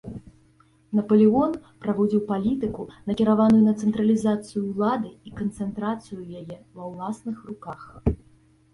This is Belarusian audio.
Напалеон праводзіў палітыку, накіраваную на цэнтралізацыю ўлады і канцэнтрацыю яе ва ўласных руках.